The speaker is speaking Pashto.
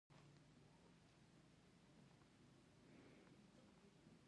ځغاسته د ذهن سکون پیدا کوي